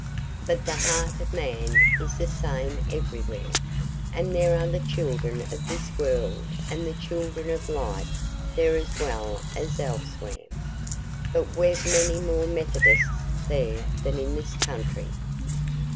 But the heart of man is the same everywhere, and there are the children of this world and the children of light there as well as elsewhere. But we've many more Methodists there than in this country."